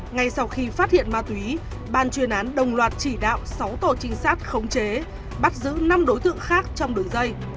ngay sau khi phát hiện ma túy ban chuyên án đồng loạt chỉ đạo sáu tổ trinh sát khống chế bắt giữ năm đối tượng khác trong đường dây